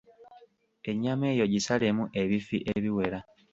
Ennyama eyo gisalemu ebifi ebiwera.